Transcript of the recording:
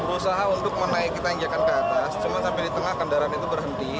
untuk menaik kita injakan ke atas cuma sampai di tengah kendaraan itu berhenti